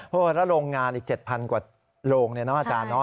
เพราะว่าถ้าโรงงานอีก๗๐๐๐กว่าโรงเนี่ยเนอะอาจารย์เนอะ